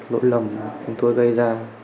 lỗi lầm của tôi gây ra